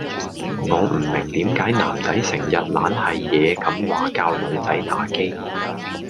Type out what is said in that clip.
我唔明點解男仔成日懶係野咁話教女仔打機